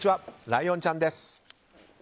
ライオンちゃんです。